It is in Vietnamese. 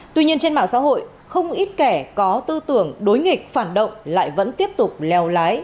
tuy nhiên trên mạng xã hội không ít kẻ có tư tưởng đối nghịch phản động lại vẫn tiếp tục leo lái